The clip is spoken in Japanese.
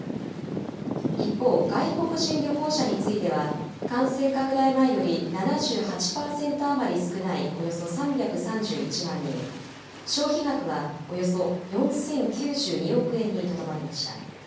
一方、外国人旅行者については、感染拡大前より７８％余り少ないおよそ３３１万人、消費額はおよそ４０９２億円にとどまりました。